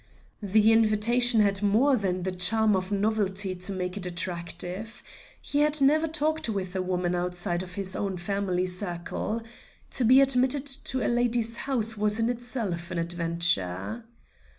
The invitation had more than the charm of novelty to make it attractive. He had never talked with a woman outside of his own family circle. To be admitted to a lady's house was in itself an adventure.